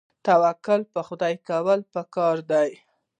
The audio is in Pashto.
توکل په خدای کول پکار دي